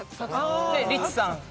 でリツさん。